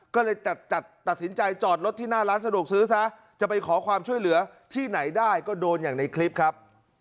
ก็เลยตัดสินใจจอดรถที่หน้าร้านสะดวกซื้อซะจะไปขอความช่วยเหลือที่ไหนได้ก็โดนอย่างในคลิปครับ